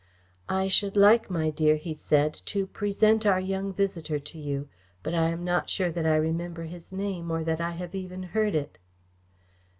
"I should like, my dear," he said, "to present our young visitor to you, but I am not sure that I remember his name, or that I have even heard it."